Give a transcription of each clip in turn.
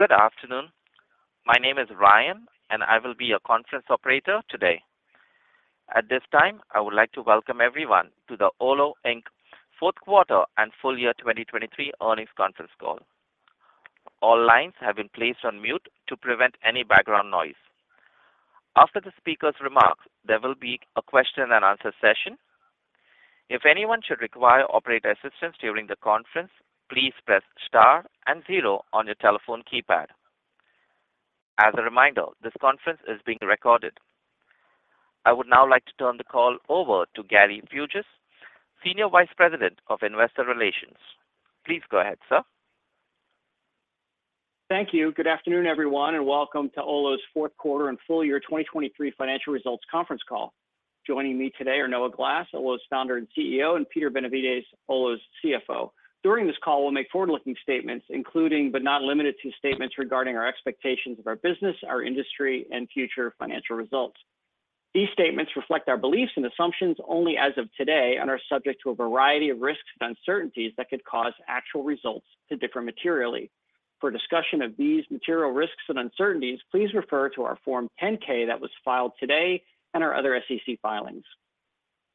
Good afternoon. My name is Ryan and I will be a conference operator today. At this time I would like to welcome everyone to the Olo Inc. fourth quarter and full year 2023 earnings conference call. All lines have been placed on mute to prevent any background noise. After the speaker's remarks there will be a question and answer session. If anyone should require operator assistance during the conference please press star and zero on your telephone keypad. As a reminder this conference is being recorded. I would now like to turn the call over to Gary Fuges, Senior Vice President of Investor Relations. Please go ahead sir. Thank you. Good afternoon everyone and welcome to Olo's fourth quarter and full year 2023 financial results conference call. Joining me today are Noah Glass, Olo's founder and CEO, and Peter Benevides, Olo's CFO. During this call we'll make forward-looking statements including but not limited to statements regarding our expectations of our business, our industry, and future financial results. These statements reflect our beliefs and assumptions only as of today and are subject to a variety of risks and uncertainties that could cause actual results to differ materially. For discussion of these material risks and uncertainties please refer to our Form 10-K that was filed today and our other SEC filings.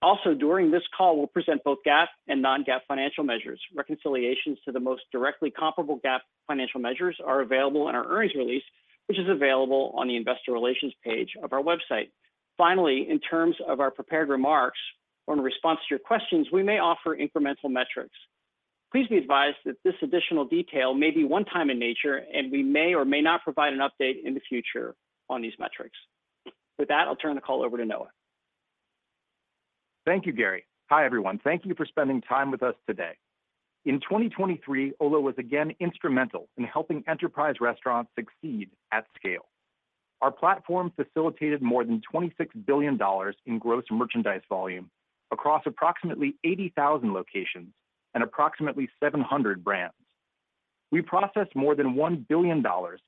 Also during this call we'll present both GAAP and non-GAAP financial measures. Reconciliations to the most directly comparable GAAP financial measures are available in our earnings release which is available on the Investor Relations page of our website. Finally, in terms of our prepared remarks or in response to your questions, we may offer incremental metrics. Please be advised that this additional detail may be one-time in nature, and we may or may not provide an update in the future on these metrics. With that, I'll turn the call over to Noah. Thank you Gary. Hi everyone. Thank you for spending time with us today. In 2023 Olo was again instrumental in helping enterprise restaurants succeed at scale. Our platform facilitated more than $26 billion in gross merchandise volume across approximately 80,000 locations and approximately 700 brands. We processed more than $1 billion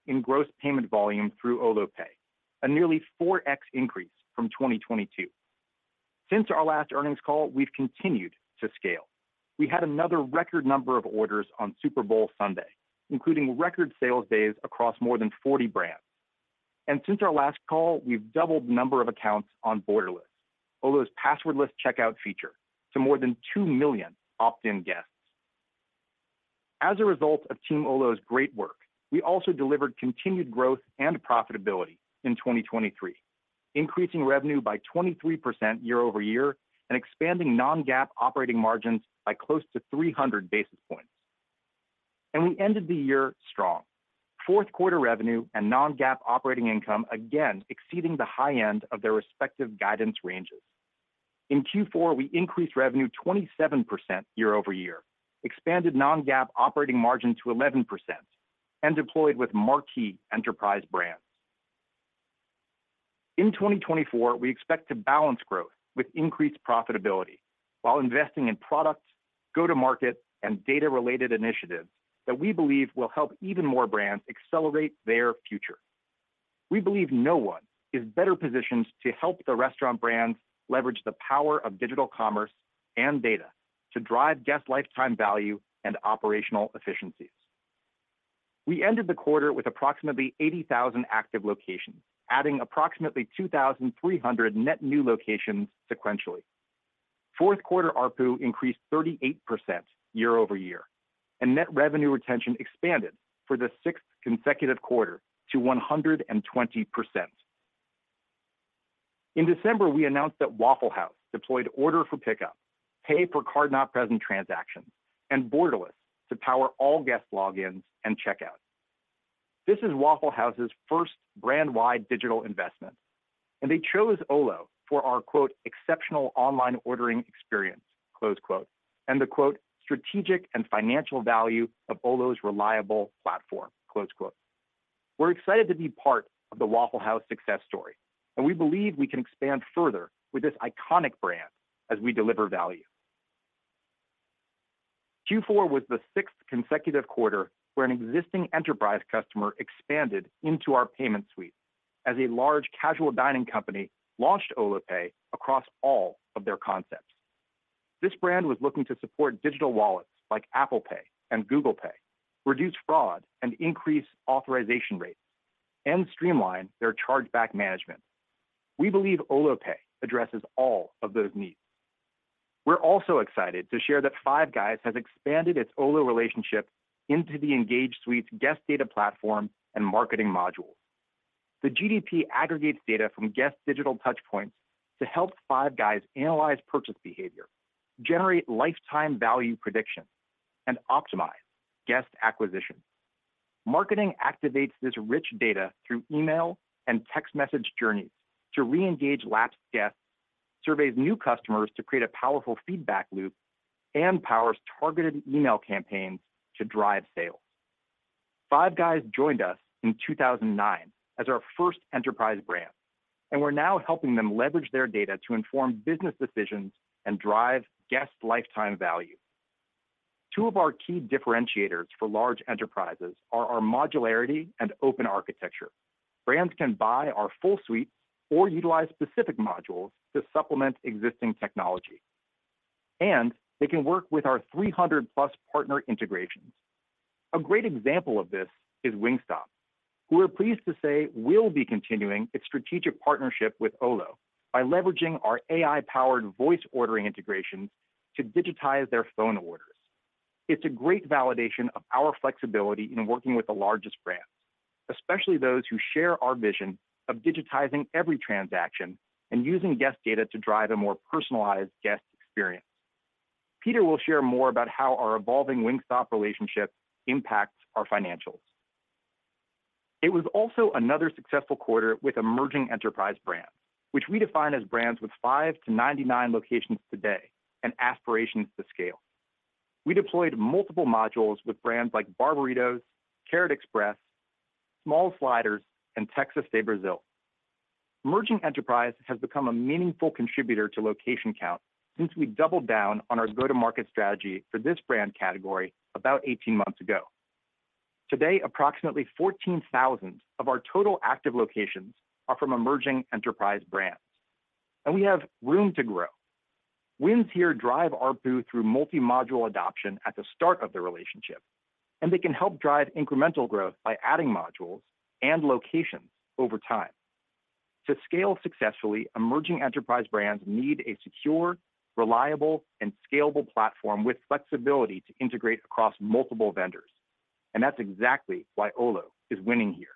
in gross payment volume through Olo Pay, a nearly 4x increase from 2022. Since our last earnings call we've continued to scale. We had another record number of orders on Super Bowl Sunday including record sales days across more than 40 brands. Since our last call we've doubled the number of accounts on Borderless, Olo's passwordless checkout feature, to more than 2 million opt-in guests. As a result of Team Olo's great work we also delivered continued growth and profitability in 2023, increasing revenue by 23% year-over-year and expanding non-GAAP operating margins by close to 300 basis points. We ended the year strong. Fourth quarter revenue and non-GAAP operating income again exceeding the high end of their respective guidance ranges. In Q4, we increased revenue 27% year-over-year, expanded non-GAAP operating margin to 11%, and deployed with marquee enterprise brands. In 2024, we expect to balance growth with increased profitability while investing in product, go-to-market, and data-related initiatives that we believe will help even more brands accelerate their future. We believe no one is better positioned to help the restaurant brands leverage the power of digital commerce and data to drive guest lifetime value and operational efficiencies. We ended the quarter with approximately 80,000 active locations adding approximately 2,300 net new locations sequentially. Fourth quarter ARPU increased 38% year-over-year and net revenue retention expanded for the sixth consecutive quarter to 120%. In December, we announced that Waffle House deployed order-for-pickup, pay-for-card-not-present transactions, and Borderless to power all guest logins and checkouts. This is Waffle House's first brand-wide digital investment and they chose Olo for our "exceptional online ordering experience" and the "strategic and financial value of Olo's reliable platform." We're excited to be part of the Waffle House success story and we believe we can expand further with this iconic brand as we deliver value. Q4 was the sixth consecutive quarter where an existing enterprise customer expanded into our payment suite as a large casual dining company launched Olo Pay across all of their concepts. This brand was looking to support digital wallets like Apple Pay and Google Pay, reduce fraud and increase authorization rates, and streamline their chargeback management. We believe Olo Pay addresses all of those needs. We're also excited to share that Five Guys has expanded its Olo relationship into the Engage Suite's Guest Data Platform and marketing modules. The GDP aggregates data from guest digital touchpoints to help Five Guys analyze purchase behavior, generate lifetime value predictions, and optimize guest acquisition. Marketing activates this rich data through email and text message journeys to re-engage lapsed guests, surveys new customers to create a powerful feedback loop, and powers targeted email campaigns to drive sales. Five Guys joined us in 2009 as our first enterprise brand and we're now helping them leverage their data to inform business decisions and drive guest lifetime value. Two of our key differentiators for large enterprises are our modularity and open architecture. Brands can buy our full suites or utilize specific modules to supplement existing technology. They can work with our 300+ partner integrations. A great example of this is Wingstop, who are pleased to say will be continuing its strategic partnership with Olo by leveraging our AI-powered voice ordering integrations to digitize their phone orders. It's a great validation of our flexibility in working with the largest brands, especially those who share our vision of digitizing every transaction and using guest data to drive a more personalized guest experience. Peter will share more about how our evolving Wingstop relationship impacts our financials. It was also another successful quarter with emerging enterprise brands, which we define as brands with 5-99 locations today and aspirations to scale. We deployed multiple modules with brands like Barberitos, Carrot Express, Small Sliders, and Texas de Brazil. Emerging enterprise has become a meaningful contributor to location count since we doubled down on our go-to-market strategy for this brand category about 18 months ago. Today approximately 14,000 of our total active locations are from emerging enterprise brands and we have room to grow. Wins here drive ARPU through multi-module adoption at the start of the relationship and they can help drive incremental growth by adding modules and locations over time. To scale successfully emerging enterprise brands need a secure, reliable, and scalable platform with flexibility to integrate across multiple vendors and that's exactly why Olo is winning here.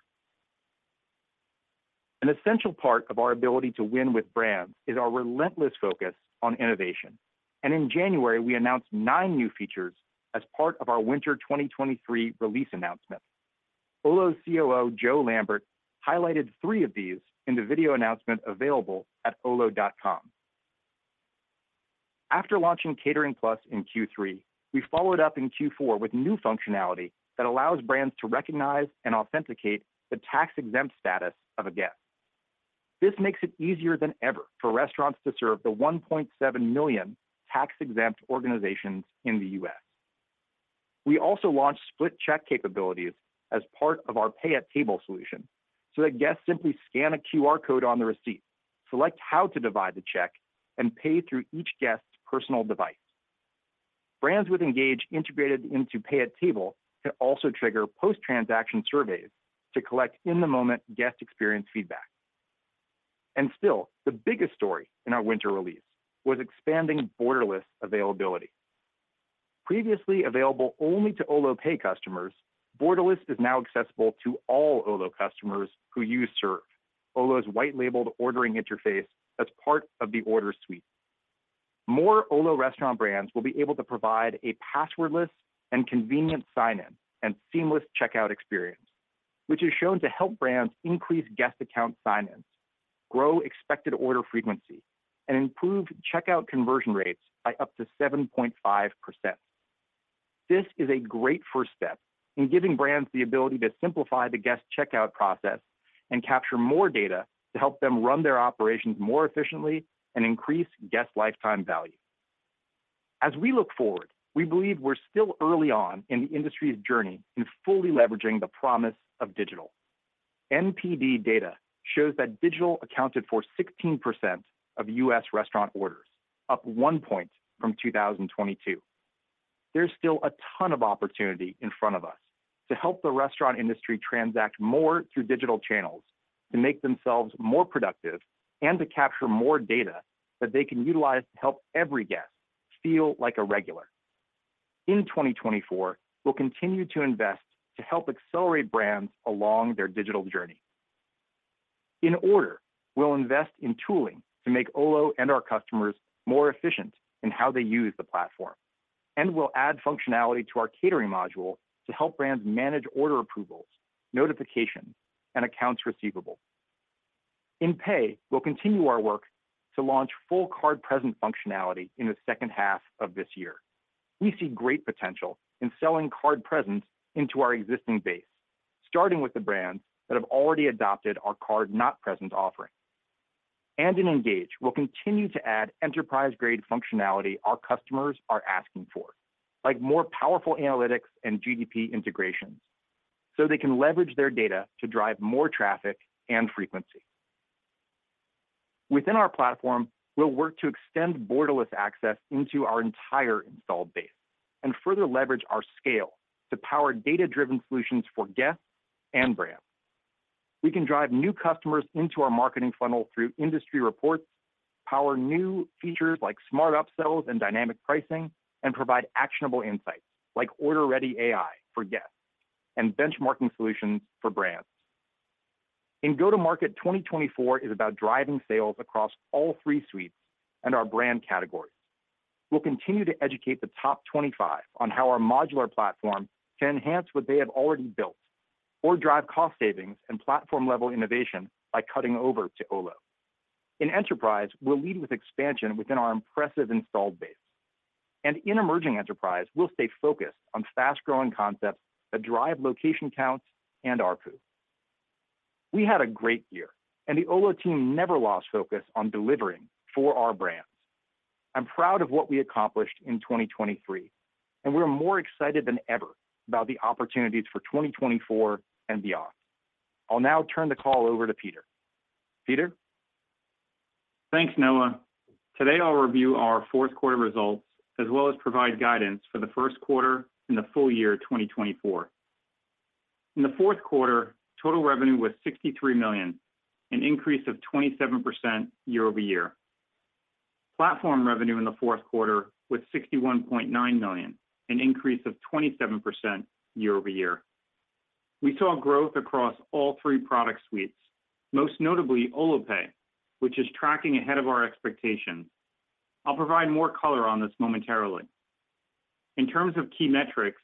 An essential part of our ability to win with brands is our relentless focus on innovation and in January, we announced nine new features as part of our winter 2023 release announcement. Olo's COO, Jo Lambert highlighted three of these in the video announcement available at olo.com. After launching Catering+ in Q3, we followed up in Q4 with new functionality that allows brands to recognize and authenticate the tax-exempt status of a guest. This makes it easier than ever for restaurants to serve the 1.7 million tax-exempt organizations in the U.S. We also launched split-check capabilities as part of our pay-at-table solution so that guests simply scan a QR code on the receipt, select how to divide the check, and pay through each guest's personal device. Brands with Engage integrated into pay-at-table can also trigger post-transaction surveys to collect in-the-moment guest experience feedback. And still the biggest story in our winter release was expanding Borderless availability. Previously available only to Olo Pay customers, Borderless is now accessible to all Olo customers who use Serve, Olo's white-labeled ordering interface as part of the order suite. More Olo restaurant brands will be able to provide a passwordless and convenient sign-in and seamless checkout experience which is shown to help brands increase guest account sign-ins, grow expected order frequency, and improve checkout conversion rates by up to 7.5%. This is a great first step in giving brands the ability to simplify the guest checkout process and capture more data to help them run their operations more efficiently and increase guest lifetime value. As we look forward, we believe we're still early on in the industry's journey in fully leveraging the promise of digital. NPD data shows that digital accounted for 16% of U.S. restaurant orders, up one point from 2022. There's still a ton of opportunity in front of us to help the restaurant industry transact more through digital channels to make themselves more productive and to capture more data that they can utilize to help every guest feel like a regular. In 2024, we'll continue to invest to help accelerate brands along their digital journey. In Order, we'll invest in tooling to make Olo and our customers more efficient in how they use the platform and we'll add functionality to our catering module to help brands manage order approvals, notifications, and accounts receivable. In Pay, we'll continue our work to launch full card-present functionality in the second half of this year. We see great potential in selling card-present into our existing base starting with the brands that have already adopted our card-not-present offering. In Engage, we'll continue to add enterprise-grade functionality our customers are asking for like more powerful analytics and GDP integrations so they can leverage their data to drive more traffic and frequency. Within our platform, we'll work to extend Borderless access into our entire installed base and further leverage our scale to power data-driven solutions for guests and brands. We can drive new customers into our marketing funnel through industry reports, power new features like smart upsells and dynamic pricing, and provide actionable insights like OrderReady AI for guests and benchmarking solutions for brands. In go-to-market 2024 is about driving sales across all three suites and our brand categories. We'll continue to educate the top 25 on how our modular platform can enhance what they have already built or drive cost savings and platform-level innovation by cutting over to Olo. In enterprise we'll lead with expansion within our impressive installed base, and in emerging enterprise, we'll stay focused on fast-growing concepts that drive location counts and ARPU. We had a great year and the Olo team never lost focus on delivering for our brands. I'm proud of what we accomplished in 2023 and we're more excited than ever about the opportunities for 2024 and beyond. I'll now turn the call over to Peter. Peter. Thanks, Noah. Today I'll review our fourth quarter results as well as provide guidance for the first quarter in the full year 2024. In the fourth quarter, total revenue was $63 million, an increase of 27% year-over-year. Platform revenue in the fourth quarter was $61.9 million, an increase of 27% year-over-year. We saw growth across all three product suites, most notably Olo Pay, which is tracking ahead of our expectations. I'll provide more color on this momentarily. In terms of key metrics,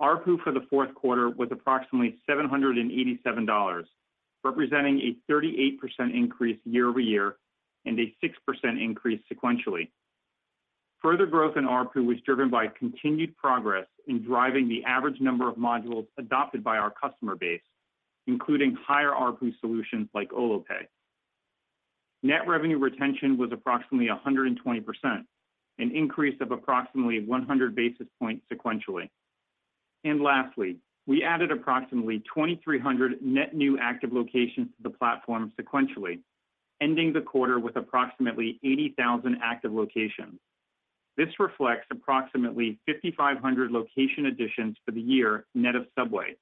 ARPU for the fourth quarter was approximately $787, representing a 38% increase year-over-year and a 6% increase sequentially. Further growth in ARPU was driven by continued progress in driving the average number of modules adopted by our customer base, including higher ARPU solutions like Olo Pay. Net revenue retention was approximately 120%, an increase of approximately 100 basis points sequentially. And lastly, we added approximately 2,300 net new active locations to the platform sequentially, ending the quarter with approximately 80,000 active locations. This reflects approximately 5,500 location additions for the year net of Subway,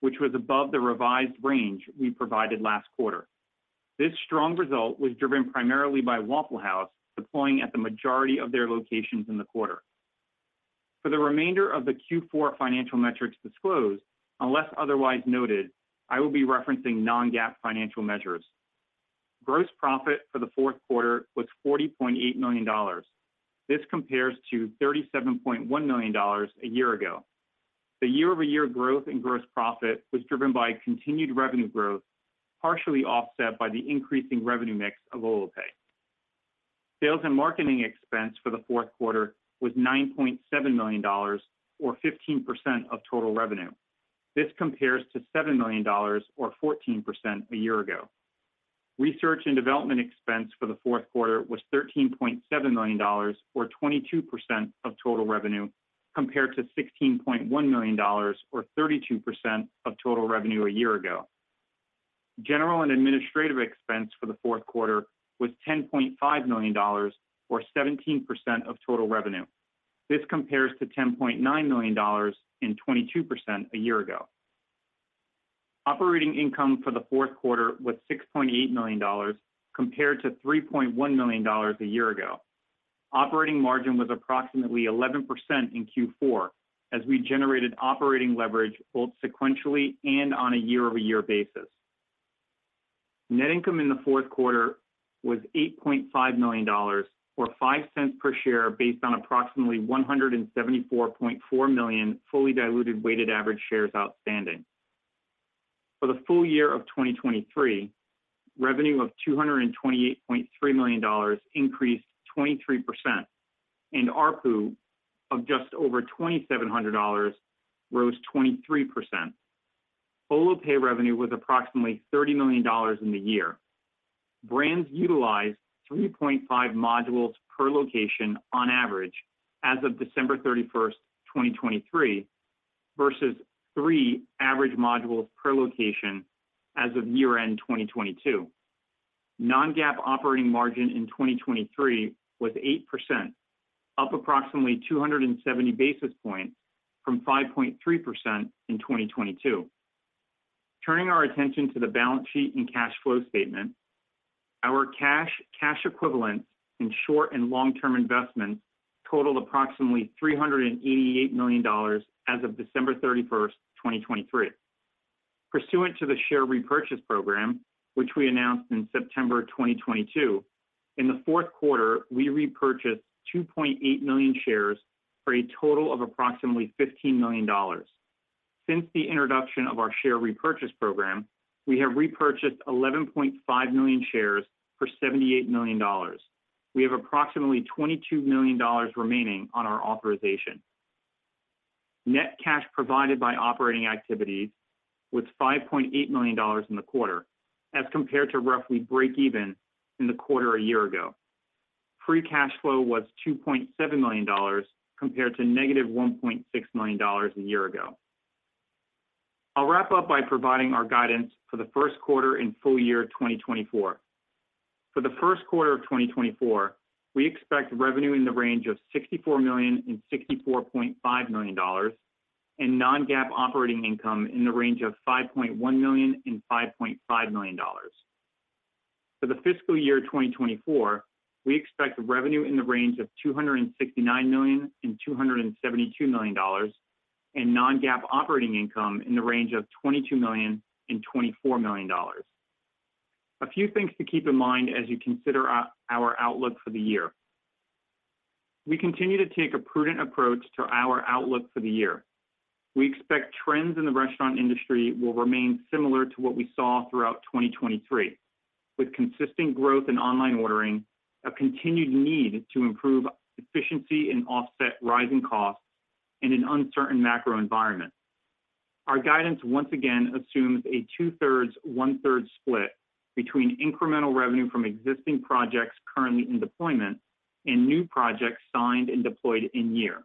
which was above the revised range we provided last quarter. This strong result was driven primarily by Waffle House deploying at the majority of their locations in the quarter. For the remainder of the Q4 financial metrics disclosed unless otherwise noted, I will be referencing non-GAAP financial measures. Gross profit for the fourth quarter was $40.8 million. This compares to $37.1 million a year ago. The year-over-year growth in gross profit was driven by continued revenue growth partially offset by the increasing revenue mix of Olo Pay. Sales and marketing expense for the fourth quarter was $9.7 million or 15% of total revenue. This compares to $7 million or 14% a year ago. Research and development expense for the fourth quarter was $13.7 million or 22% of total revenue compared to $16.1 million or 32% of total revenue a year ago. General and administrative expense for the fourth quarter was $10.5 million or 17% of total revenue. This compares to $10.9 million and 22% a year ago. Operating income for the fourth quarter was $6.8 million compared to $3.1 million a year ago. Operating margin was approximately 11% in Q4 as we generated operating leverage both sequentially and on a year-over-year basis. Net income in the fourth quarter was $8.5 million or $0.05 per share based on approximately 174.4 million fully diluted weighted average shares outstanding. For the full year of 2023, revenue of $228.3 million increased 23% and ARPU of just over $2,700 rose 23%. Olo Pay revenue was approximately $30 million in the year. Brands utilized 3.5 modules per location on average as of December 31st, 2023 versus three average modules per location as of year-end 2022. Non-GAAP operating margin in 2023 was 8%, up approximately 270 basis points from 5.3% in 2022. Turning our attention to the balance sheet and cash flow statement, our cash and cash equivalents in short- and long-term investments totaled approximately $388 million as of December 31st, 2023. Pursuant to the share repurchase program, which we announced in September 2022, in the fourth quarter, we repurchased 2.8 million shares for a total of approximately $15 million. Since the introduction of our share repurchase program we have repurchased 11.5 million shares for $78 million. We have approximately $22 million remaining on our authorization. Net cash provided by operating activities was $5.8 million in the quarter as compared to roughly break-even in the quarter a year ago. Free cash flow was $2.7 million compared to negative $1.6 million a year ago. I'll wrap up by providing our guidance for the first quarter in full year 2024. For the first quarter of 2024, we expect revenue in the range of $64 million-$64.5 million and non-GAAP operating income in the range of $5.1 million-$5.5 million. For the fiscal year 2024, we expect revenue in the range of $269 million-$272 million and non-GAAP operating income in the range of $22 million-$24 million. A few things to keep in mind as you consider our outlook for the year. We continue to take a prudent approach to our outlook for the year. We expect trends in the restaurant industry will remain similar to what we saw throughout 2023 with consistent growth in online ordering, a continued need to improve efficiency and offset rising costs, and an uncertain macro environment. Our guidance once again assumes a two-thirds/one-thirds split between incremental revenue from existing projects currently in deployment and new projects signed and deployed in-year.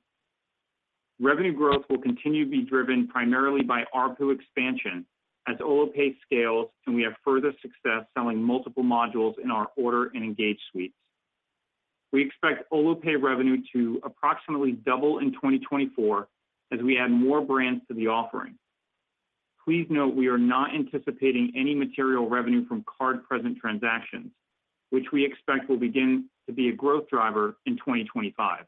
Revenue growth will continue to be driven primarily by ARPU expansion as Olo Pay scales and we have further success selling multiple modules in our Order and Engage suites. We expect Olo Pay revenue to approximately double in 2024 as we add more brands to the offering. Please note we are not anticipating any material revenue from card-present transactions, which we expect will begin to be a growth driver in 2025.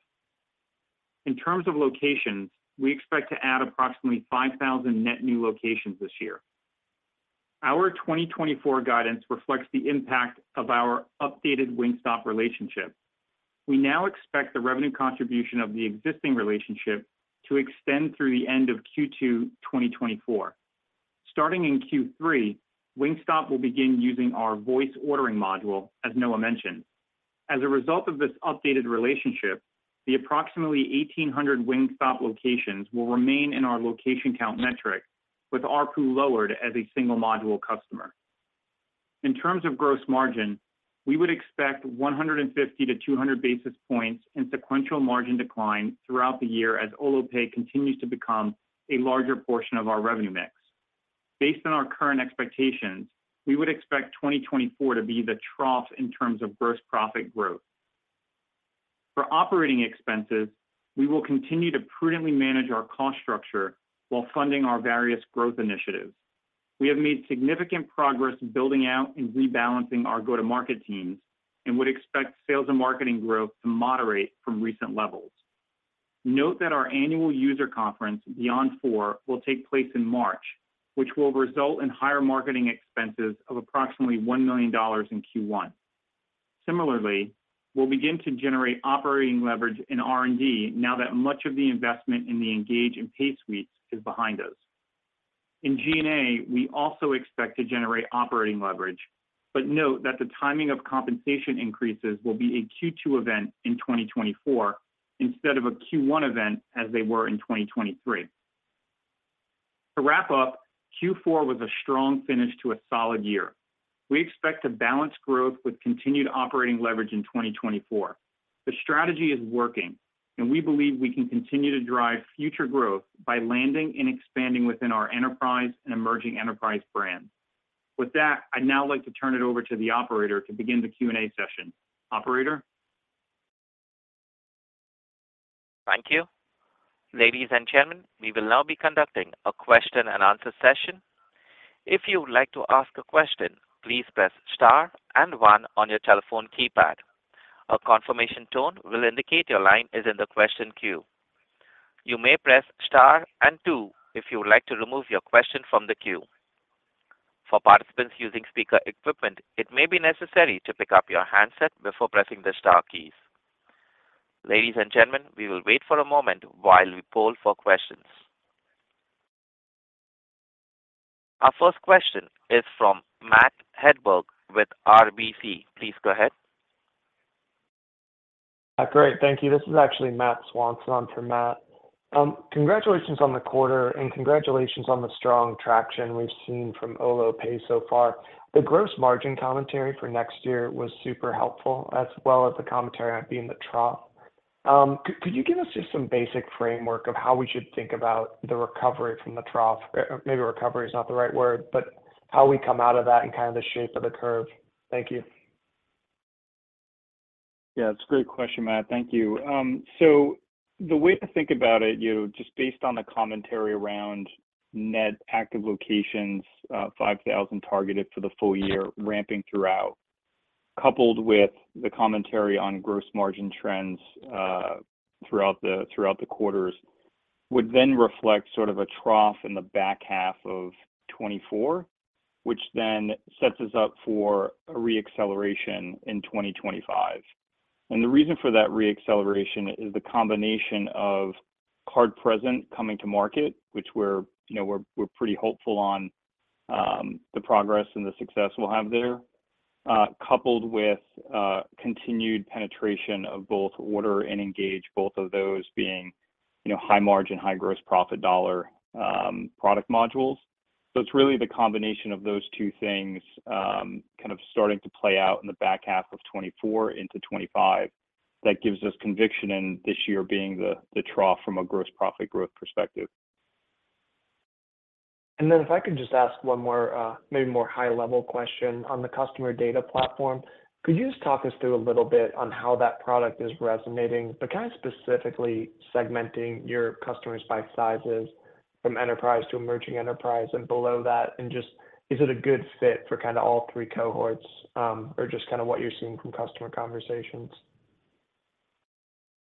In terms of locations, we expect to add approximately 5,000 net new locations this year. Our 2024 guidance reflects the impact of our updated Wingstop relationship. We now expect the revenue contribution of the existing relationship to extend through the end of Q2 2024. Starting in Q3, Wingstop will begin using our voice ordering module as Noah mentioned. As a result of this updated relationship, the approximately 1,800 Wingstop locations will remain in our location count metric with ARPU lowered as a single module customer. In terms of gross margin, we would expect 150-200 basis points in sequential margin decline throughout the year as Olo Pay continues to become a larger portion of our revenue mix. Based on our current expectations, we would expect 2024 to be the trough in terms of gross profit growth. For operating expenses, we will continue to prudently manage our cost structure while funding our various growth initiatives. We have made significant progress building out and rebalancing our go-to-market teams and would expect sales and marketing growth to moderate from recent levels. Note that our annual user conference Beyond4 will take place in March, which will result in higher marketing expenses of approximately $1 million in Q1. Similarly, we'll begin to generate operating leverage in R&D now that much of the investment in the Engage and Pay suites is behind us. In G&A, we also expect to generate operating leverage, but note that the timing of compensation increases will be a Q2 event in 2024 instead of a Q1 event as they were in 2023. To wrap up, Q4 was a strong finish to a solid year. We expect to balance growth with continued operating leverage in 2024. The strategy is working and we believe we can continue to drive future growth by landing and expanding within our enterprise and emerging enterprise brands. With that I'd now like to turn it over to the operator to begin the Q&A session. Operator. Thank you. Ladies and gentlemen, we will now be conducting a question and answer session. If you would like to ask a question, please press star and one on your telephone keypad. A confirmation tone will indicate your line is in the question queue. You may press star and two if you would like to remove your question from the queue. For participants using speaker equipment, it may be necessary to pick up your handset before pressing the star keys. Ladies and gentlemen, we will wait for a moment while we poll for questions. Our first question is from Matt Hedberg with RBC. Please go ahead. Great. Thank you. This is actually Matt Swanson for Matt. Congratulations on the quarter and congratulations on the strong traction we've seen from Olo Pay so far. The gross margin commentary for next year was super helpful as well as the commentary on it being the trough. Could you give us just some basic framework of how we should think about the recovery from the trough? Maybe recovery is not the right word, but how we come out of that and kind of the shape of the curve. Thank you. Yeah. It's a great question Matt. Thank you. So the way to think about it just based on the commentary around net active locations 5,000 targeted for the full year ramping throughout coupled with the commentary on gross margin trends throughout the quarters would then reflect sort of a trough in the back half of 2024, which then sets us up for a reacceleration in 2025. And the reason for that reacceleration is the combination of card-present coming to market, which we're pretty hopeful on the progress and the success we'll have there, coupled with continued penetration of both Order and Engage, both of those being high margin, high gross profit dollar product modules. It's really the combination of those two things kind of starting to play out in the back half of 2024 into 2025 that gives us conviction in this year being the trough from a gross profit growth perspective. Then if I could just ask one more maybe more high-level question on the Guest Data Platform. Could you just talk us through a little bit on how that product is resonating, but kind of specifically segmenting your customers by sizes from enterprise to emerging enterprise and below that, and just is it a good fit for kind of all three cohorts or just kind of what you're seeing from customer conversations?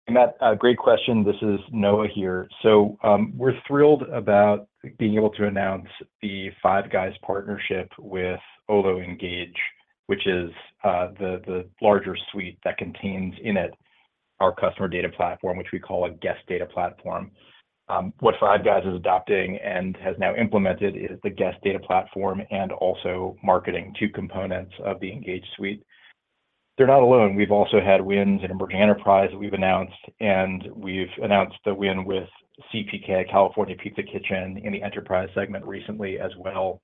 Matt, great question. This is Noah here. So we're thrilled about being able to announce the Five Guys partnership with Olo Engage, which is the larger suite that contains in it our customer data platform, which we call a Guest Data Platform. What Five Guys is adopting and has now implemented is the Guest Data Platform and also marketing two components of the Engage suite. They're not alone. We've also had wins in emerging enterprise that we've announced, and we've announced the win with CPK California Pizza Kitchen in the enterprise segment recently as well.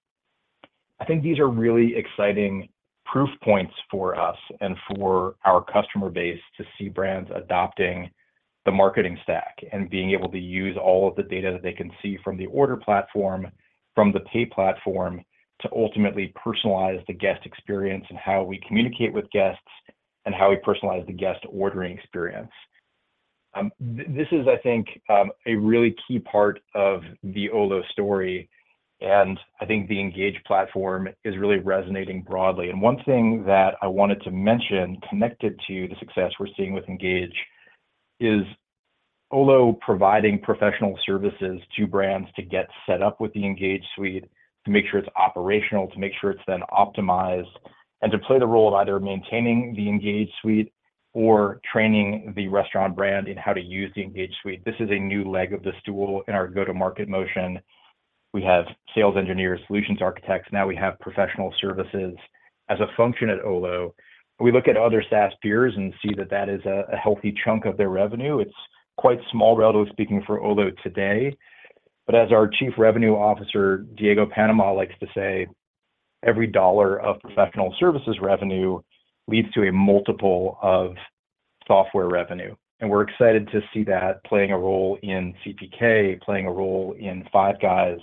I think these are really exciting proof points for us and for our customer base to see brands adopting the marketing stack and being able to use all of the data that they can see from the Order platform, from the Pay platform, to ultimately personalize the guest experience and how we communicate with guests and how we personalize the guest ordering experience. This is, I think, a really key part of the Olo story, and I think the Engage platform is really resonating broadly. And one thing that I wanted to mention connected to the success we're seeing with Engage is Olo providing professional services to brands to get set up with the Engage suite, to make sure it's operational, to make sure it's then optimized, and to play the role of either maintaining the Engage suite or training the restaurant brand in how to use the Engage suite. This is a new leg of the stool in our go-to-market motion. We have sales engineers, solutions architects. Now we have professional services as a function at Olo. We look at other SaaS peers and see that that is a healthy chunk of their revenue. It's quite small, relatively speaking, for Olo today. But as our Chief Revenue Officer, Diego Panama, likes to say, every dollar of professional services revenue leads to a multiple of software revenue. And we're excited to see that playing a role in CPK, playing a role in Five Guys,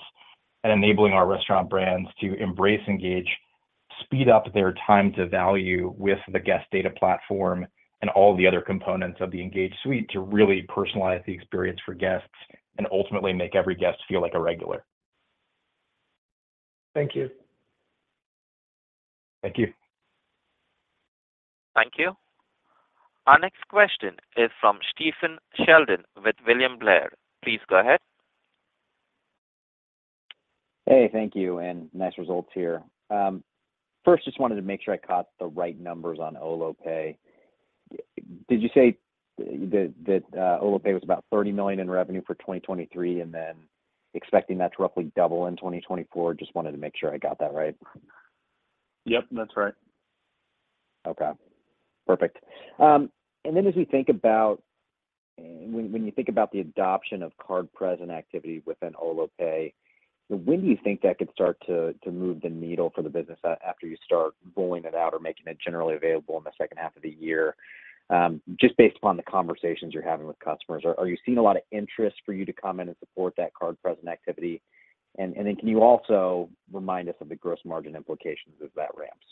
and enabling our restaurant brands to embrace engage, speed up their time to value with the Guest Data Platform and all the other components of the engage suite to really personalize the experience for guests and ultimately make every guest feel like a regular. Thank you. Thank you. Thank you. Our next question is from Stephen Sheldon with William Blair. Please go ahead. Hey. Thank you, and nice results here. First, just wanted to make sure I caught the right numbers on Olo Pay. Did you say that Olo Pay was about $30 million in revenue for 2023 and then expecting that to roughly double in 2024? Just wanted to make sure I got that right. Yep. That's right. Okay. Perfect. And then as we think about when you think about the adoption of card present activity within Olo Pay, when do you think that could start to move the needle for the business after you start rolling it out or making it generally available in the second half of the year? Just based upon the conversations you're having with customers, are you seeing a lot of interest for you to come in and support that card present activity? And then can you also remind us of the gross margin implications as that ramps?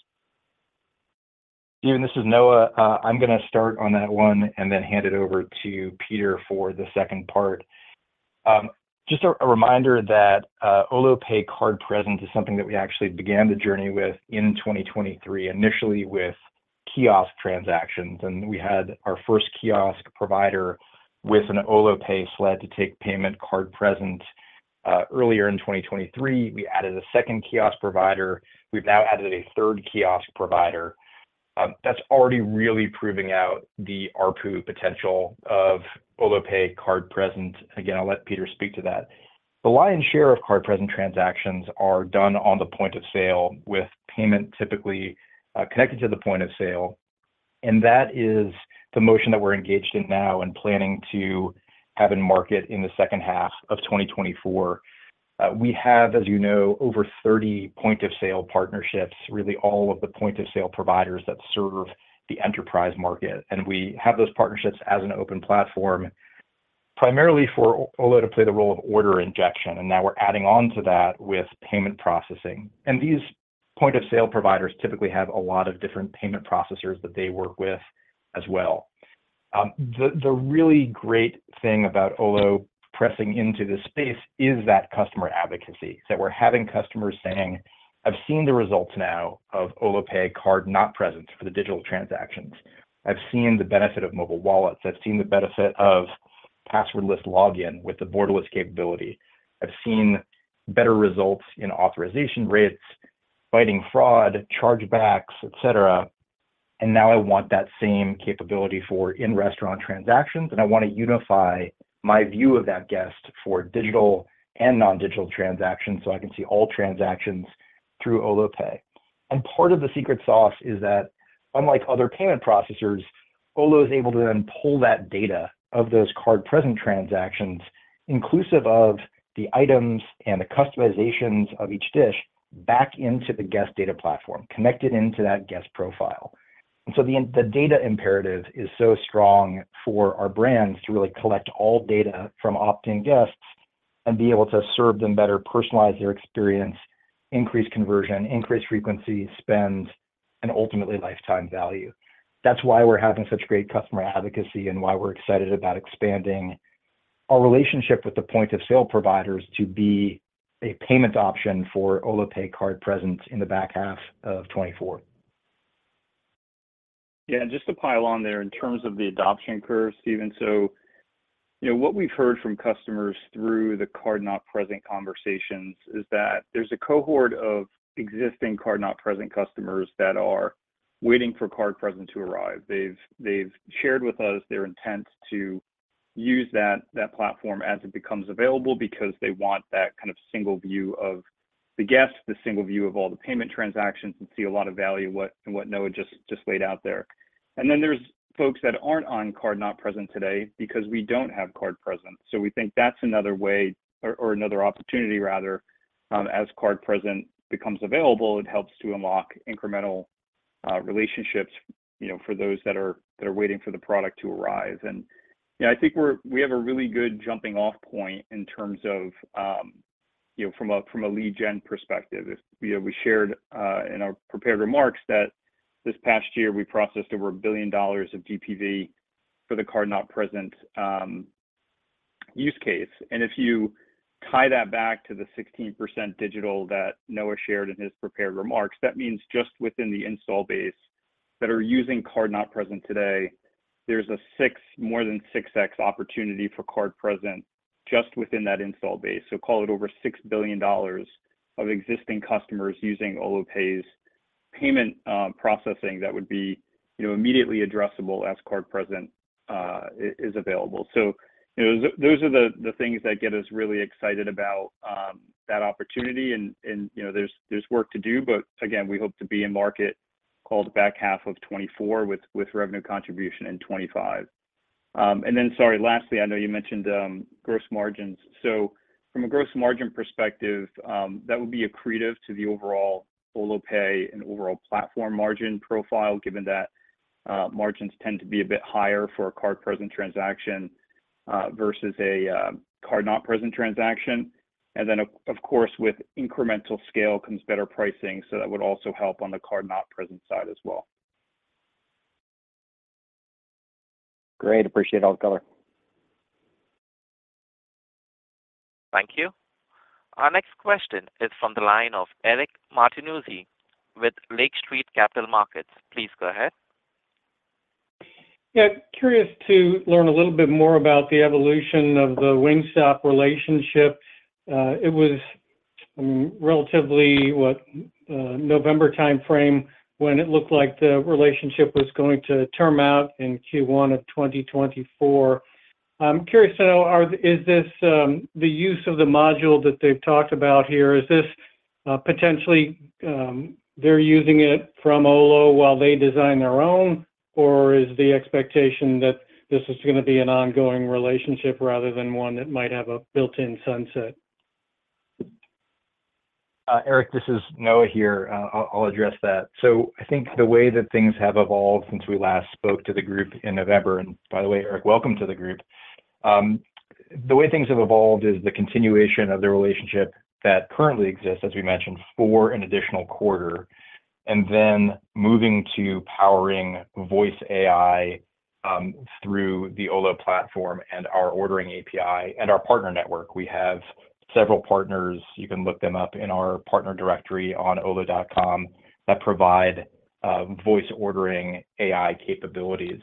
Given this is Noah, I'm going to start on that one and then hand it over to Peter for the second part. Just a reminder that Olo Pay card-present is something that we actually began the journey with in 2023, initially with kiosk transactions. We had our first kiosk provider with an Olo Pay sled to take payment card-present earlier in 2023. We added a second kiosk provider. We've now added a third kiosk provider. That's already really proving out the ARPU potential of Olo Pay card-present. Again, I'll let Peter speak to that. The lion's share of card-present transactions are done on the point of sale with payment typically connected to the point of sale. That is the motion that we're engaged in now and planning to have in market in the second half of 2024. We have, as you know, over 30 point-of-sale partnerships, really all of the point-of-sale providers that serve the enterprise market. We have those partnerships as an open platform primarily for Olo to play the role of order injection. Now we're adding on to that with payment processing. These point-of-sale providers typically have a lot of different payment processors that they work with as well. The really great thing about Olo pressing into this space is that customer advocacy, that we're having customers saying, "I've seen the results now of Olo Pay card-not-present for the digital transactions. I've seen the benefit of mobile wallets. I've seen the benefit of passwordless login with the Borderless capability. I've seen better results in authorization rates, fighting fraud, chargebacks, etc. And now I want that same capability for in-restaurant transactions. I want to unify my view of that guest for digital and non-digital transactions so I can see all transactions through Olo Pay." Part of the secret sauce is that unlike other payment processors, Olo is able to then pull that data of those card-present transactions, inclusive of the items and the customizations of each dish, back into the Guest Data Platform connected into that guest profile. The data imperative is so strong for our brands to really collect all data from opt-in guests and be able to serve them better, personalize their experience, increase conversion, increase frequency, spend, and ultimately lifetime value. That's why we're having such great customer advocacy and why we're excited about expanding our relationship with the point-of-sale providers to be a payment option for Olo Pay card-present in the back half of 2024. Yeah. Just to pile on there in terms of the adoption curve, Stephen, so what we've heard from customers through the card-not-present conversations is that there's a cohort of existing card-not-present customers that are waiting for card-present to arrive. They've shared with us their intent to use that platform as it becomes available because they want that kind of single view of the guest, the single view of all the payment transactions, and see a lot of value in what Noah just laid out there. Then there's folks that aren't on card-not-present today because we don't have card-present. We think that's another way or another opportunity, rather. As card-present becomes available, it helps to unlock incremental relationships for those that are waiting for the product to arrive. I think we have a really good jumping-off point in terms of from a lead-gen perspective. We shared in our prepared remarks that this past year we processed over $1 billion of GPV for the card-not-present use case. And if you tie that back to the 16% digital that Noah shared in his prepared remarks, that means just within the install base that are using card-not-present today, there's a more than 6x opportunity for card present just within that install base. So call it over $6 billion of existing customers using Olo Pay's payment processing that would be immediately addressable as card present is available. So those are the things that get us really excited about that opportunity. And there's work to do, but again, we hope to be in market called the back half of 2024 with revenue contribution in 2025. And then, sorry, lastly, I know you mentioned gross margins. So from a gross margin perspective, that would be accretive to the overall Olo Pay and overall platform margin profile given that margins tend to be a bit higher for a card-present transaction versus a card-not-present transaction. And then, of course, with incremental scale comes better pricing. So that would also help on the card-not-present side as well. Great. Appreciate all the color. Thank you. Our next question is from the line of Eric Martinuzzi with Lake Street Capital Markets. Please go ahead. Yeah. Curious to learn a little bit more about the evolution of the Wingstop relationship. It was, I mean, relatively, what, November time frame when it looked like the relationship was going to term out in Q1 of 2024. I'm curious to know, is this the use of the module that they've talked about here? Is this potentially they're using it from Olo while they design their own, or is the expectation that this is going to be an ongoing relationship rather than one that might have a built-in sunset? Eric, this is Noah here. I'll address that. So I think the way that things have evolved since we last spoke to the group in November and by the way, Eric, welcome to the group. The way things have evolved is the continuation of the relationship that currently exists, as we mentioned, for an additional quarter, and then moving to powering Voice AI through the Olo platform and our ordering API and our partner network. We have several partners. You can look them up in our partner directory on olo.com that provide voice ordering AI capabilities.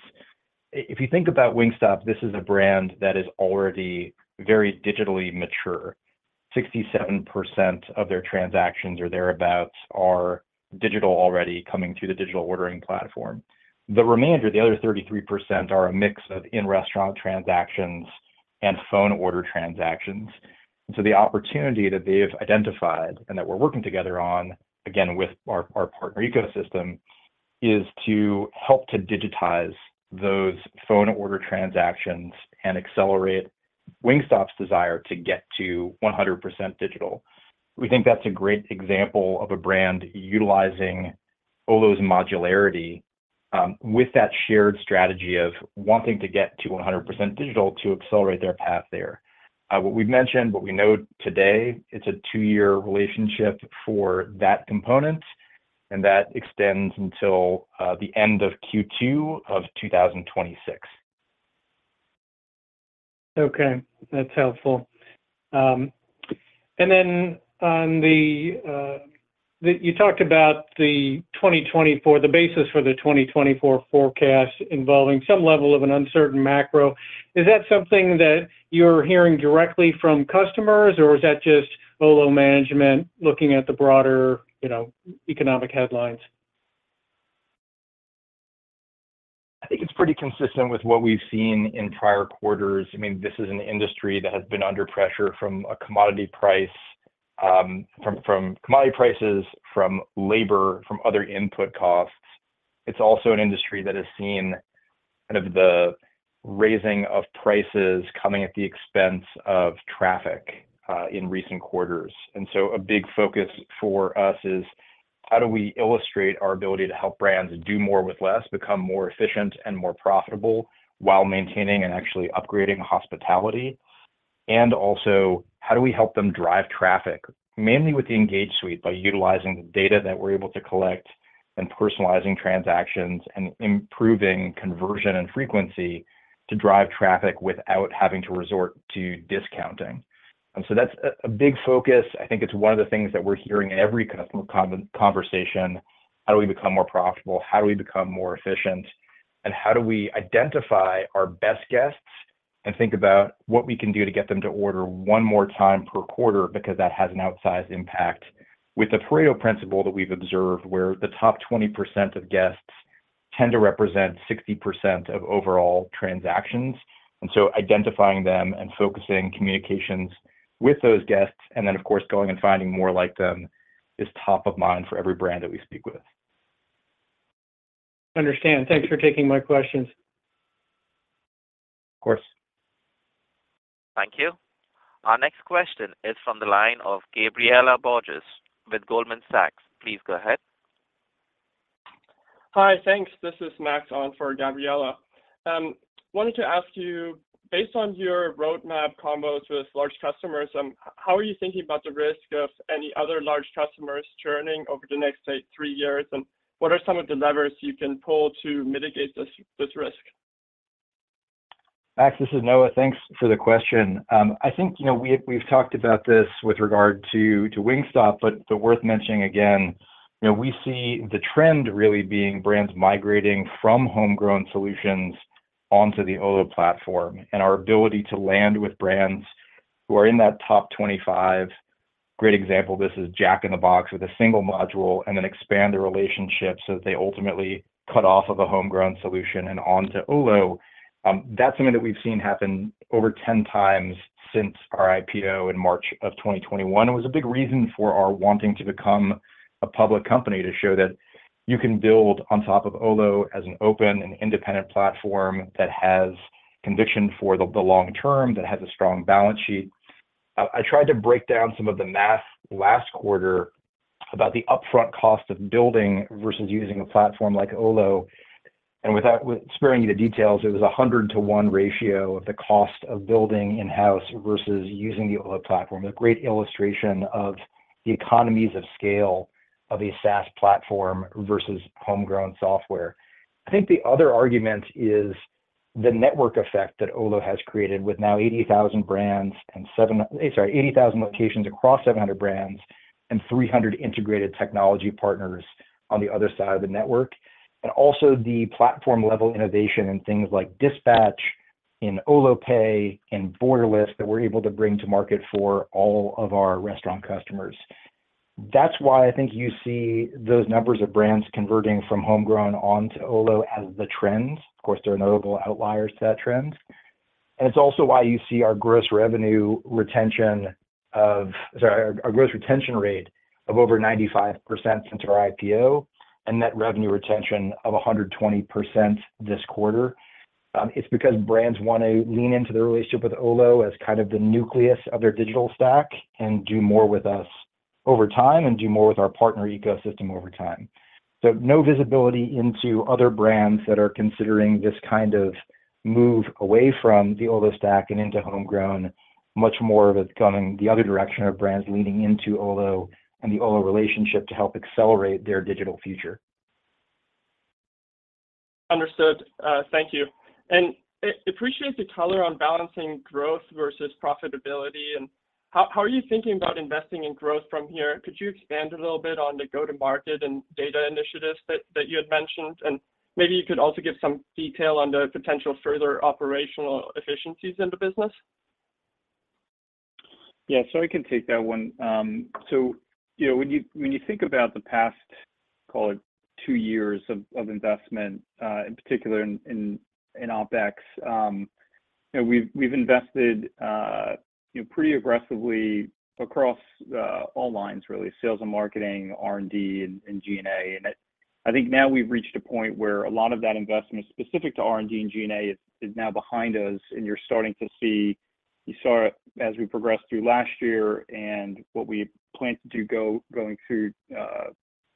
If you think about Wingstop, this is a brand that is already very digitally mature. 67% of their transactions or thereabouts are digital already coming through the digital ordering platform. The remainder, the other 33%, are a mix of in-restaurant transactions and phone order transactions. So the opportunity that they've identified and that we're working together on, again, with our partner ecosystem, is to help to digitize those phone order transactions and accelerate Wingstop's desire to get to 100% digital. We think that's a great example of a brand utilizing Olo's modularity with that shared strategy of wanting to get to 100% digital to accelerate their path there. What we've mentioned, what we know today, it's a two-year relationship for that component, and that extends until the end of Q2 of 2026. Okay. That's helpful. And then on the, you talked about the basis for the 2024 forecast involving some level of an uncertain macro. Is that something that you're hearing directly from customers, or is that just Olo management looking at the broader economic headlines? I think it's pretty consistent with what we've seen in prior quarters. I mean, this is an industry that has been under pressure from commodity prices, from labor, from other input costs. It's also an industry that has seen kind of the raising of prices coming at the expense of traffic in recent quarters. And so a big focus for us is how do we illustrate our ability to help brands do more with less, become more efficient and more profitable while maintaining and actually upgrading hospitality? And also, how do we help them drive traffic, mainly with the Engage suite by utilizing the data that we're able to collect and personalizing transactions and improving conversion and frequency to drive traffic without having to resort to discounting? And so that's a big focus. I think it's one of the things that we're hearing in every customer conversation. How do we become more profitable? How do we become more efficient? And how do we identify our best guests and think about what we can do to get them to order one more time per quarter because that has an outsized impact with the Pareto principle that we've observed where the top 20% of guests tend to represent 60% of overall transactions. And so identifying them and focusing communications with those guests, and then, of course, going and finding more like them is top of mind for every brand that we speak with. Understand. Thanks for taking my questions. Of course. Thank you. Our next question is from the line of Gabriella Borges with Goldman Sachs. Please go ahead. Hi. Thanks. This is Max on for Gabriella. I wanted to ask you, based on your roadmap combos with large customers, how are you thinking about the risk of any other large customers churning over the next, say, three years? And what are some of the levers you can pull to mitigate this risk? Max, this is Noah. Thanks for the question. I think we've talked about this with regard to Wingstop, but worth mentioning, again, we see the trend really being brands migrating from homegrown solutions onto the Olo platform and our ability to land with brands who are in that top 25. Great example, this is Jack in the Box with a single module and then expand the relationship so that they ultimately cut off of a homegrown solution and onto Olo. That's something that we've seen happen over 10 times since our IPO in March of 2021. It was a big reason for our wanting to become a public company to show that you can build on top of Olo as an open, an independent platform that has conviction for the long term, that has a strong balance sheet. I tried to break down some of the math last quarter about the upfront cost of building versus using a platform like Olo. And without sparing you the details, it was a 100-to-1 ratio of the cost of building in-house versus using the Olo platform, a great illustration of the economies of scale of a SaaS platform versus homegrown software. I think the other argument is the network effect that Olo has created with now 80,000 locations across 700 brands and 300 integrated technology partners on the other side of the network, and also the platform-level innovation and things like Dispatch in Olo Pay and Borderless that we're able to bring to market for all of our restaurant customers. That's why I think you see those numbers of brands converting from homegrown onto Olo as the trends. Of course, there are notable outliers to that trend. And it's also why you see our gross revenue retention, sorry, our gross retention rate of over 95% since our IPO and net revenue retention of 120% this quarter. It's because brands want to lean into the relationship with Olo as kind of the nucleus of their digital stack and do more with us over time and do more with our partner ecosystem over time. So no visibility into other brands that are considering this kind of move away from the Olo stack and into homegrown, much more of it going the other direction of brands leaning into Olo and the Olo relationship to help accelerate their digital future. Understood. Thank you. I appreciate the color on balancing growth versus profitability. How are you thinking about investing in growth from here? Could you expand a little bit on the go-to-market and data initiatives that you had mentioned? Maybe you could also give some detail on the potential further operational efficiencies in the business. Yeah. So I can take that one. So when you think about the past, call it, two years of investment, in particular in OpEx, we've invested pretty aggressively across all lines, really, sales and marketing, R&D, and G&A. And I think now we've reached a point where a lot of that investment specific to R&D and G&A is now behind us, and you're starting to see you saw it as we progressed through last year. And what we plan to do going through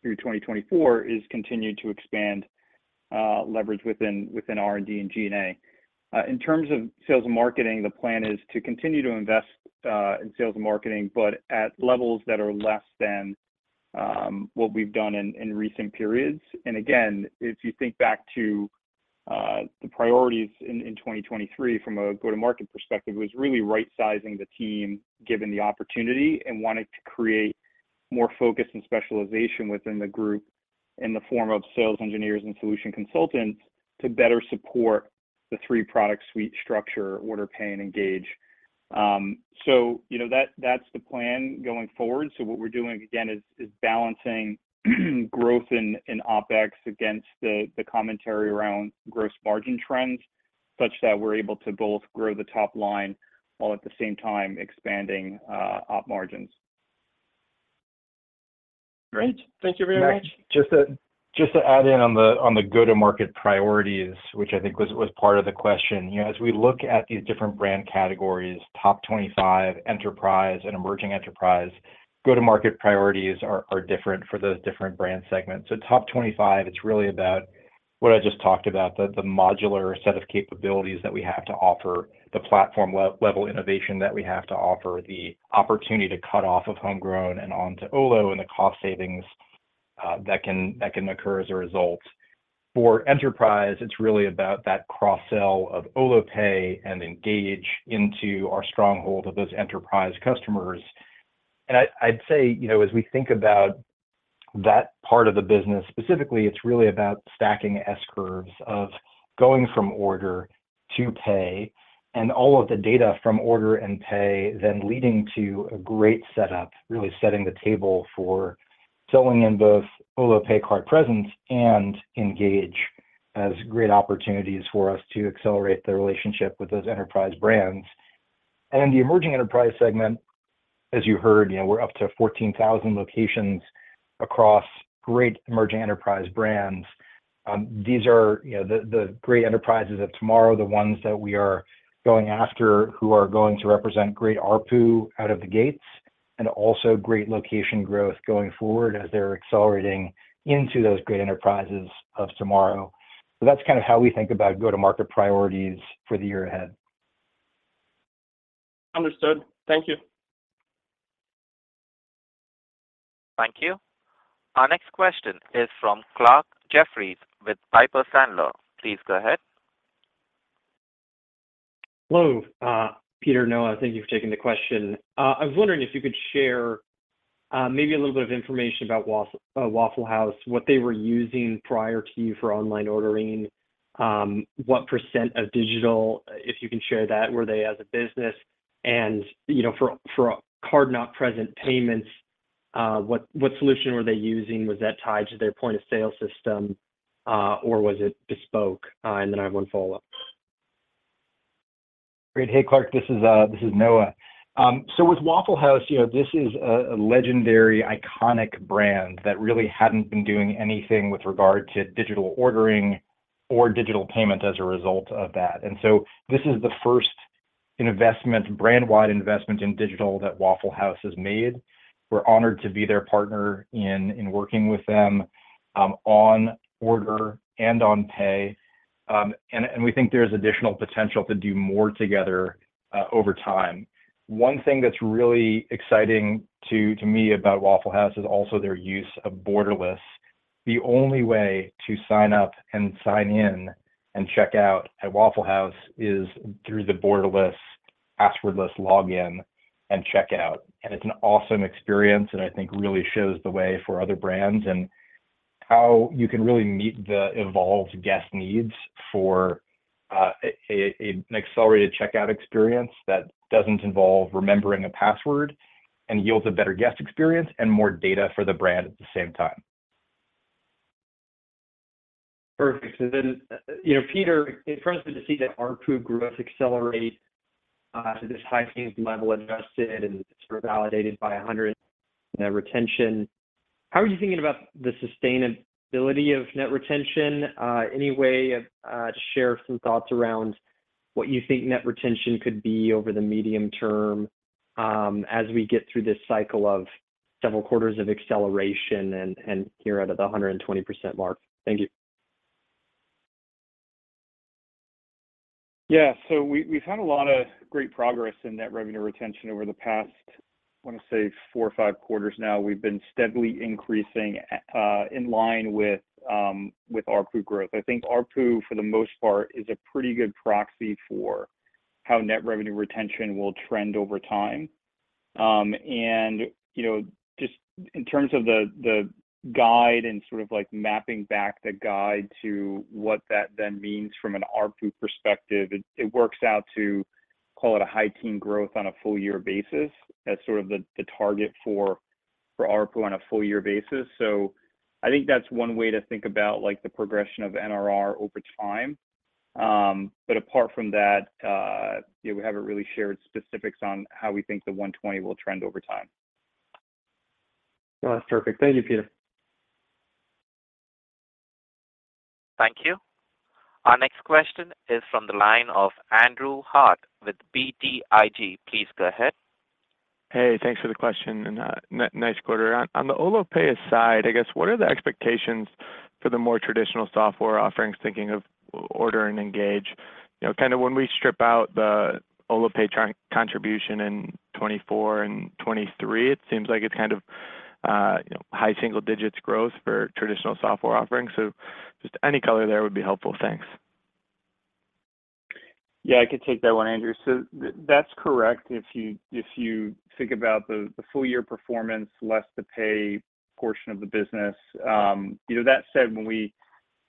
2024 is continue to expand leverage within R&D and G&A. In terms of sales and marketing, the plan is to continue to invest in sales and marketing, but at levels that are less than what we've done in recent periods. Again, if you think back to the priorities in 2023 from a go-to-market perspective, it was really right-sizing the team given the opportunity and wanting to create more focus and specialization within the group in the form of sales engineers and solution consultants to better support the three-product suite structure: order, pay, and engage. So that's the plan going forward. So what we're doing, again, is balancing growth in OpEx against the commentary around gross margin trends such that we're able to both grow the top line while at the same time expanding op margins. Great. Thank you very much. Max, just to add in on the go-to-market priorities, which I think was part of the question, as we look at these different brand categories, top 25, enterprise, and emerging enterprise, go-to-market priorities are different for those different brand segments. So top 25, it's really about what I just talked about, the modular set of capabilities that we have to offer, the platform-level innovation that we have to offer, the opportunity to cut off of homegrown and onto Olo and the cost savings that can occur as a result. For enterprise, it's really about that cross-sell of Olo Pay and Engage into our stronghold of those enterprise customers. And I'd say as we think about that part of the business specifically, it's really about stacking S-curves of going from order to pay and all of the data from order and pay then leading to a great setup, really setting the table for filling in both Olo Pay card presence and Engage as great opportunities for us to accelerate the relationship with those enterprise brands. In the emerging enterprise segment, as you heard, we're up to 14,000 locations across great emerging enterprise brands. These are the great enterprises of tomorrow, the ones that we are going after who are going to represent great ARPU out of the gates and also great location growth going forward as they're accelerating into those great enterprises of tomorrow. So that's kind of how we think about go-to-market priorities for the year ahead. Understood. Thank you. Thank you. Our next question is from Clarke Jeffries with Piper Sandler. Please go ahead. Hello, Peter, Noah. Thank you for taking the question. I was wondering if you could share maybe a little bit of information about Waffle House, what they were using prior to you for online ordering, what percent of digital, if you can share that, were they as a business, and for card-not-present payments, what solution were they using? Was that tied to their point-of-sale system, or was it bespoke? And then I have one follow-up. Great. Hey, Clarke. This is Noah. So with Waffle House, this is a legendary, iconic brand that really hadn't been doing anything with regard to digital ordering or digital payment as a result of that. And so this is the first brandwide investment in digital that Waffle House has made. We're honored to be their partner in working with them on order and on pay. And we think there's additional potential to do more together over time. One thing that's really exciting to me about Waffle House is also their use of Borderless. The only way to sign up and sign in and check out at Waffle House is through the Borderless passwordless login and checkout. It's an awesome experience that I think really shows the way for other brands and how you can really meet the evolved guest needs for an accelerated checkout experience that doesn't involve remembering a password and yields a better guest experience and more data for the brand at the same time. Perfect. And then, you know, Peter, it thrills me to see that ARPU growth accelerate to this high single-digit level adjusted and sort of validated by 100. And now retention. How are you thinking about the sustainability of net retention? Any way to share some thoughts around what you think net retention could be over the medium term as we get through this cycle of several quarters of acceleration and here at the 120% mark? Thank you. Yeah. So we've had a lot of great progress in net revenue retention over the past, I want to say, four or five quarters now. We've been steadily increasing in line with ARPU growth. I think ARPU, for the most part, is a pretty good proxy for how net revenue retention will trend over time. And just in terms of the guide and sort of mapping back the guide to what that then means from an ARPU perspective, it works out to, call it, high-teens growth on a full-year basis as sort of the target for ARPU on a full-year basis. So I think that's one way to think about the progression of NRR over time. But apart from that, we haven't really shared specifics on how we think the 120 will trend over time. That's perfect. Thank you, Peter. Thank you. Our next question is from the line of Andrew Harte with BTIG. Please go ahead. Hey. Thanks for the question and nice quarter. On the Olo Pay side, I guess, what are the expectations for the more traditional software offerings thinking of Order and Engage? Kind of when we strip out the Olo Pay contribution in 2024 and 2023, it seems like it's kind of high single-digits growth for traditional software offerings. So just any color there would be helpful. Thanks. Yeah. I could take that one, Andrew. So that's correct. If you think about the full-year performance, less the pay portion of the business. That said, when we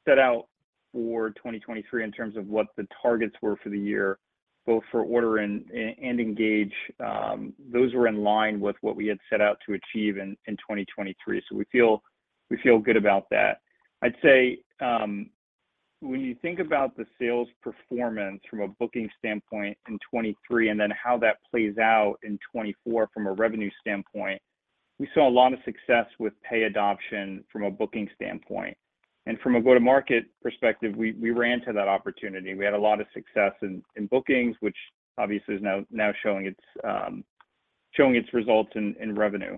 set out for 2023 in terms of what the targets were for the year, both for Order and Engage, those were in line with what we had set out to achieve in 2023. So we feel good about that. I'd say when you think about the sales performance from a booking standpoint in 2023 and then how that plays out in 2024 from a revenue standpoint, we saw a lot of success with pay adoption from a booking standpoint. And from a go-to-market perspective, we ran to that opportunity. We had a lot of success in bookings, which obviously is now showing its results in revenue.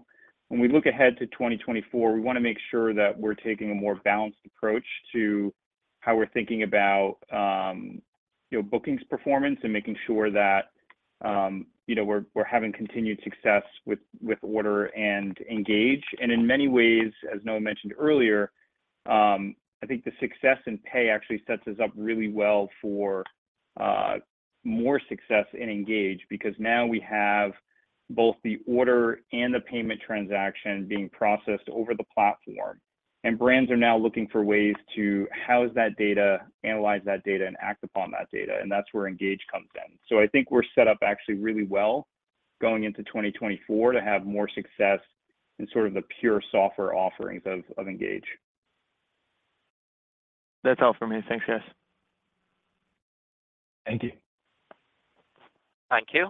When we look ahead to 2024, we want to make sure that we're taking a more balanced approach to how we're thinking about bookings performance and making sure that we're having continued success with Order and Engage. And in many ways, as Noah mentioned earlier, I think the success in Pay actually sets us up really well for more success in Engage because now we have both the order and the payment transaction being processed over the platform. And brands are now looking for ways to house that data, analyze that data, and act upon that data. And that's where Engage comes in. So I think we're set up actually really well going into 2024 to have more success in sort of the pure software offerings of Engage. That's all from me. Thanks. Yes. Thank you. Thank you.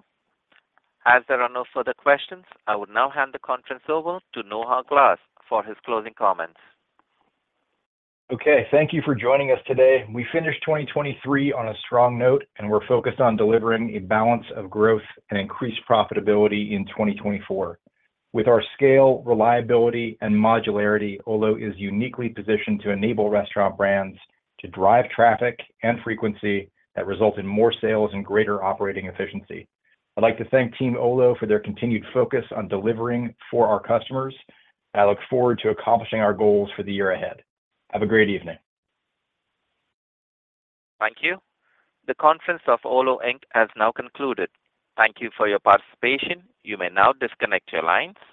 As there are no further questions, I would now hand the conference over to Noah Glass for his closing comments. Okay. Thank you for joining us today. We finished 2023 on a strong note, and we're focused on delivering a balance of growth and increased profitability in 2024. With our scale, reliability, and modularity, Olo is uniquely positioned to enable restaurant brands to drive traffic and frequency that result in more sales and greater operating efficiency. I'd like to thank Team Olo for their continued focus on delivering for our customers, and I look forward to accomplishing our goals for the year ahead. Have a great evening. Thank you. The conference call of Olo Inc. has now concluded. Thank you for your participation. You may now disconnect your lines.